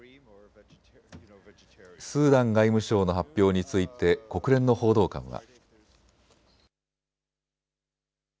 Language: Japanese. スーダン外務省の発表について国連の報道官は。